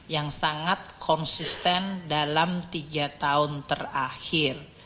yang sangat konsisten dalam tiga tahun terakhir